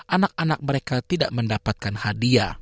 anak anak mereka tidak mendapatkan hadiah